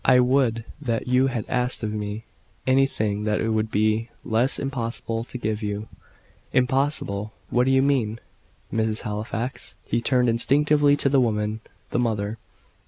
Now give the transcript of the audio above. "I would that you had asked of me anything that it could be less impossible to give you." "Impossible! What do you mean? Mrs. Halifax " He turned instinctively to the woman the mother.